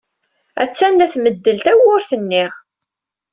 Attan la tmeddel tewwurt-nni.